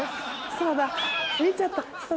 そうだ見ちゃった。